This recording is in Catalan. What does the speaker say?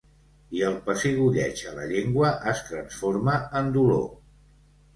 I el pessigolleig a la llengua es transforma en dolor.